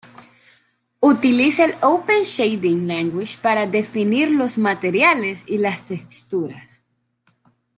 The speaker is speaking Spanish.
Utiliza el Open Shading Language para definir los materiales y las texturas.